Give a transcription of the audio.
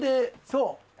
そう！